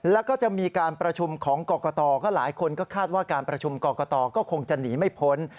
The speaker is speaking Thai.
แล้วก็จะมีการประชุมของกรกตก็หลายคนก็คาดว่าการประชุมกรกตก็คงจะหนีไม่พ้น